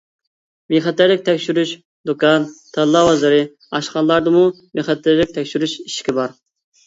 بىخەتەرلىك تەكشۈرۈش دۇكان، تاللا بازىرى، ئاشخانىلاردىمۇ بىخەتەرلىك تەكشۈرۈش ئىشىكى بار.